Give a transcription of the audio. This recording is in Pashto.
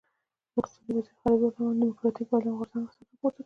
د اقتصادي وضعیت خرابېدو له امله د ډیموکراټیک بدلون غورځنګ سر راپورته کړ.